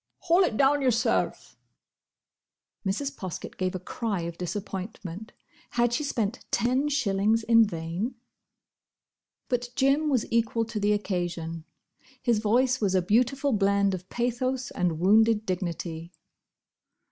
"Haul it down yourself." Mrs. Poskett gave a cry of disappointment. Had she spent ten shillings in vain? But Jim was equal to the occasion. His voice was a beautiful blend of pathos and wounded dignity.